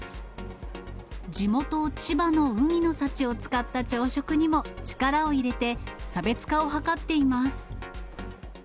地元、千葉の海の幸を使った朝食にも力を入れて、差別化を図っています。